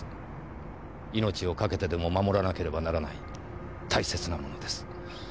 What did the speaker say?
命を懸けてでも守らなければならない大切なものです。